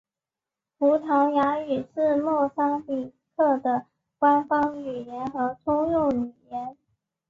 葡萄牙语是莫桑比克的官方语言和通用语言。